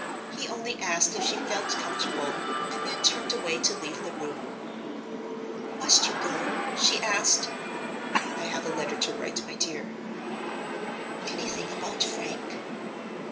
He only asked if she felt comfortable; and then turned away to leave the room. "Must you go?" she asked. "I have a letter to write, my dear." "Anything about Frank?"